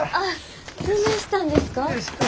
どないしたんですか？